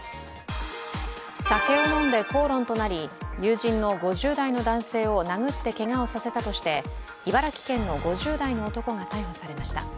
酒を飲んで口論となり、友人の５０代の男性を殴ってけがをさせたとして茨城県の５０代の男が逮捕されました。